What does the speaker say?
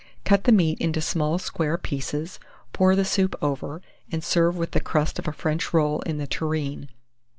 Cut the meat into small square pieces, pour the soup over, and serve with the crust of a French roll in the tureen.